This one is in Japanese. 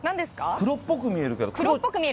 黒っぽく見える？